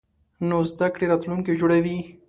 نوې زده کړه راتلونکی جوړوي